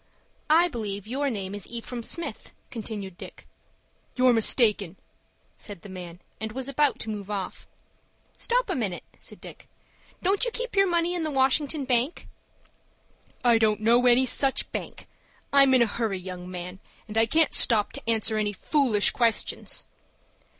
"I believe your name is Ephraim Smith," continued Dick. "You're mistaken," said the man, and was about to move off. "Stop a minute," said Dick. "Don't you keep your money in the Washington Bank?" "I don't know any such bank. I'm in a hurry, young man, and I can't stop to answer any foolish questions."